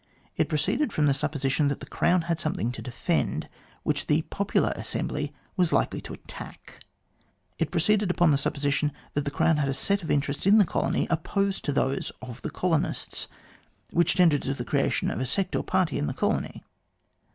It pro ceeded upon the supposition that the Crown had something to defend, which the popular assembly was likely to attack ; it proceeded upon the supposition that the Crown had a set of interests in the colony opposed to those of the colonists, which tended to the creation of a sect or party in the colony.